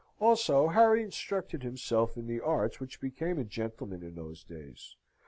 Also Harry instructed himself in the arts which became a gentleman in those days.